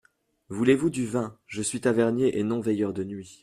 Voulez-vous du vin ? je suis tavernier et non veilleur de nuit.